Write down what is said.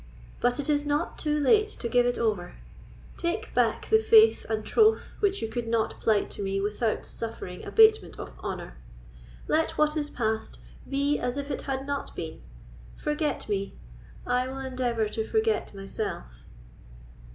But it is not too late to give it over: take back the faith and troth which you could not plight to me without suffering abatement of honour—let what is passed be as if it had not been—forget me; I will endeavour to forget myself."